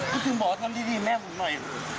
ถึงหมอทำดีแม่ผมหน่อย